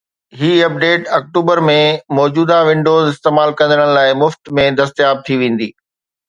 هي update آڪٽوبر ۾ موجود Windows استعمال ڪندڙن لاءِ مفت ۾ دستياب ٿي ويندي